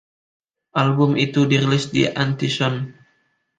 Album itu dirilis di Anticon.